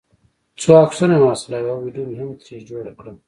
څو عکسونه مې واخیستل او یوه ویډیو مې هم ترې جوړه کړه.